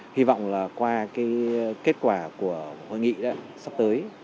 hy vọng là qua kết quả của hội nghị sắp tới